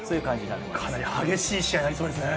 かなり激しい試合になりそうですね。